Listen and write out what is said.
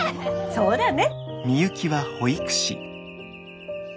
そうだね。